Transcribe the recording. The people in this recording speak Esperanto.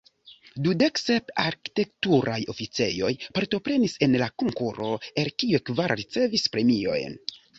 Dudek sep arkitekturaj oficejoj partoprenis en la konkuro, el kiuj kvar ricevis premiojn.